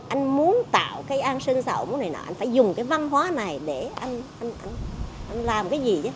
anh muốn tạo cái an sân sẫu này nọ anh phải dùng cái văn hóa này để anh làm cái gì chứ